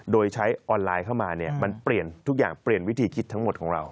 โดยใช้ออนไลน์เข้ามาเนี่ยมันเปลี่ยนทุกอย่างเปลี่ยนวิธีคิดทั้งหมดของเรา